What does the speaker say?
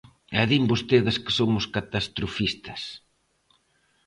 E din vostedes que somos catastrofistas.